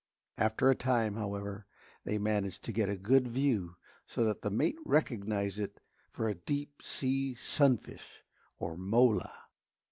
After a time, however, they managed to get a good view, so that the mate recognised it for a deep sea sunfish, or mola.